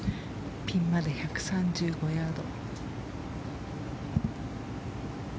ピンまで１３５ヤード。